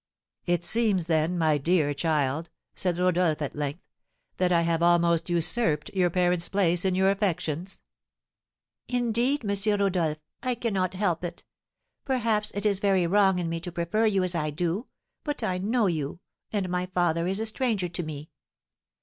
"It seems, then, my dear child," said Rodolph, at length, "that I have almost usurped your parent's place in your affections?" "Indeed, M. Rodolph, I cannot help it! Perhaps it is very wrong in me to prefer you as I do, but I know you, and my father is a stranger to me."